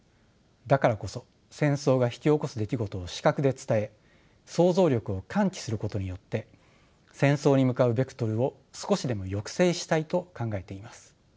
だからこそ戦争が引き起こす出来事を視覚で伝え想像力を喚起することによって戦争に向かうベクトルを少しでも抑制したいと考えています。